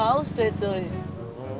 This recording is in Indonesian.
harusnya jualan lo nanti